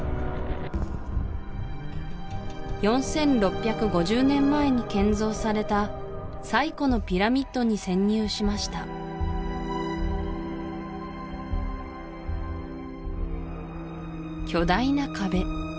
４６５０年前に建造された最古のピラミッドに潜入しました巨大な壁